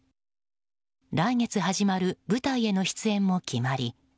来月始まる舞台への出演も決まり